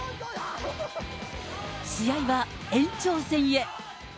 試合は延長戦へ。